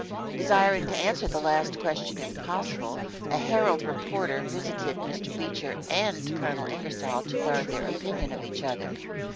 Desiring to answer the last question if possible, a Herald reporter visited Mr. Beecher and Colonel Ingersoll to learn their opinion of each other.